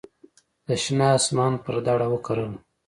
د شنه اسمان پر دړه وکرله